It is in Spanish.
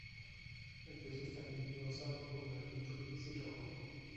El piso está enlosado con granito gris y rojo.